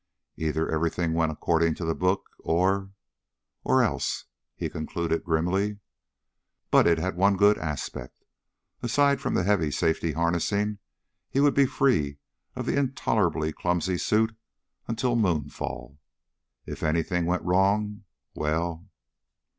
Either everything went according to the book or ... or else, he concluded grimly. But it had one good aspect. Aside from the heavy safety harnessing, he would be free of the intolerably clumsy suit until moonfall. If anything went wrong, well